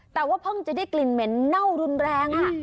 แต่ว่าเพิ่งจะได้กลิ่นเหม็นเน่ารุนแรง